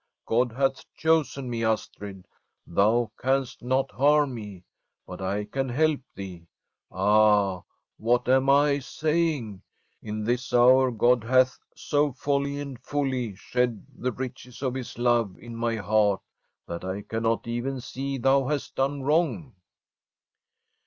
God hath chosen me, Astrid. Thou canst not harm me, but I can help thee. Ah ! what am I saying? In this hour God hath so wholly and fully shed the riches of His From a SWEDISH HOMESTEAD love in my heart that I cannot even see thou hast done wrong.'